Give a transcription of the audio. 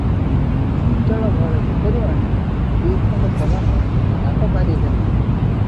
ଚଞ୍ଚଳ ଘର ଭିତରୁ ଆଣି ଦୁଇଖଣ୍ଡ ପଲାଣ ତାଟ ପାରିଦେଲେ ।